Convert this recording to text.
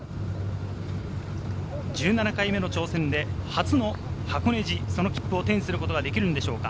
１７回目の挑戦で初の箱根路、その切符を手にすることができるのでしょうか。